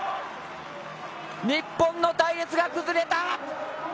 日本の隊列が崩れた。